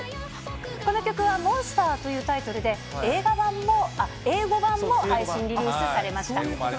この曲はＭｏｎｓｔｅｒというタイトルで、英語版も配信リリースされました。